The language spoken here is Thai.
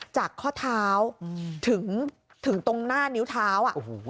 จากข้อเท้าถึงตรงหน้านิ้วเท้า